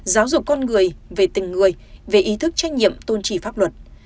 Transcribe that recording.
giáo dục con người về tình người về ý thức trách nhiệm tôn trị pháp luật